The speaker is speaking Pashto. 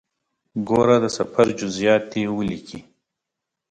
ګوره د سفر جزئیات دې ولیکې.